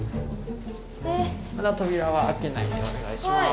まだ扉は開けないでお願いします。